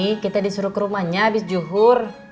kata uni kita disuruh ke rumahnya habis juhur